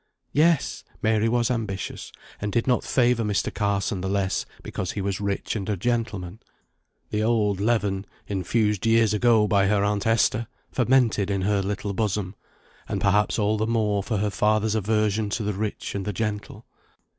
Yes! Mary was ambitious, and did not favour Mr. Carson the less because he was rich and a gentleman. The old leaven, infused years ago by her aunt Esther, fermented in her little bosom, and perhaps all the more, for her father's aversion to the rich and the gentle.